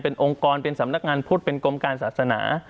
เป็นองค์กรเป็นสำนักงานพุทธเป็นกรมการศาสนา